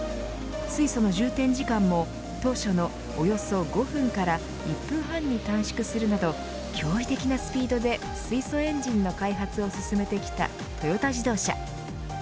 水素の充填時間も当初のおよそ５分から１分半に短縮するなど驚異的なスピードで水素エンジンの開発を進めてきたトヨタ自動車。